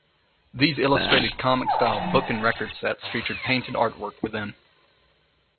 These illustrated comic-style book and record sets featured painted artwork within.